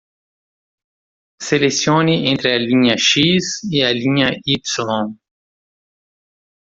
Selecione entre a linha X e a linha Y.